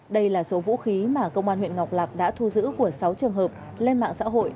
đây là số vũ khí mà công an huyện ngọc lạc đã thu giữ của sáu trường hợp lên mạng xã hội